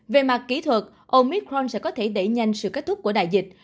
về mặt kỹ thuật omitron sẽ có thể đẩy nhanh sự kết thúc của đại dịch